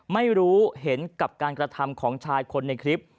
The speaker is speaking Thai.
ไม่รู้เห็นกับการกระทำของชายคนในคลิป